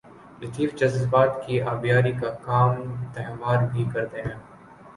لطیف جذبات کی آبیاری کا کام تہوار بھی کرتے ہیں۔